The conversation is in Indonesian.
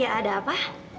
ya ada apa